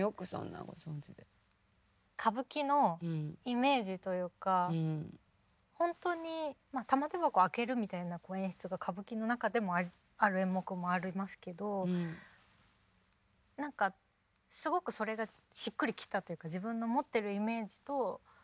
歌舞伎のイメージというか本当に玉手箱を開けるみたいなこう演出が歌舞伎の中でもある演目もありますけど何かすごくそれがしっくりきたというか自分の持ってるイメージと。